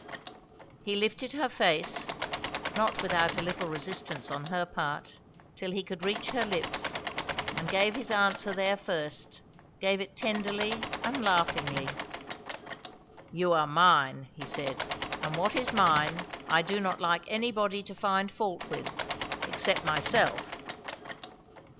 He lifted her face, not without a little resistance on her part, till he could reach her lips, and gave his answer there first; gave it tenderly, and laughingly. "You are mine," he said; "and what is mine I do not like anybody to find fault with, except myself."